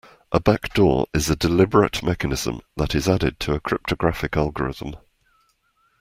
A backdoor is a deliberate mechanism that is added to a cryptographic algorithm.